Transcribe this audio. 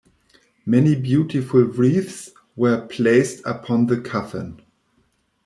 Many beautiful wreaths were placed upon the coffin.